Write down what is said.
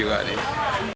masih sepi juga